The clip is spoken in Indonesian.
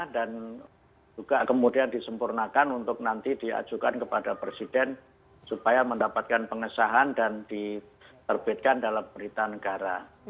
dan juga kemudian disempurnakan untuk nanti diajukan kepada presiden supaya mendapatkan pengesahan dan diterbitkan dalam berita negara